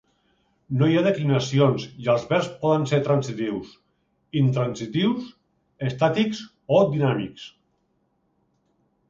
No hi ha declinacions i els verbs poden ser transitius, intransitius, estàtics o dinàmics.